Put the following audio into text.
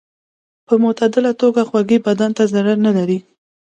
په معتدله توګه خوږې بدن ته ضرر نه لري.